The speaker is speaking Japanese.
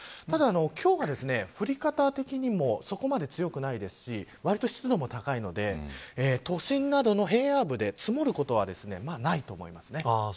ただ、今日は降り方的にもそこまで強くないですしわりと湿度も高いので都心などの平野部で積もることはないと思います。